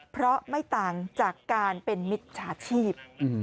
เพราะไม่ต่างจากการเป็นมิจฉาชีพ